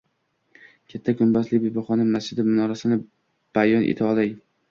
Katta gumbazli Bibixonim masjidi minorasini bayon eta olay?!